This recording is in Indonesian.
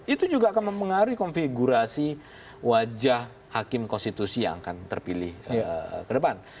itu juga akan mempengaruhi konfigurasi wajah hakim konstitusi yang akan terpilih ke depan